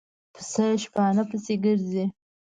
پسه شپانه پسې ګرځي.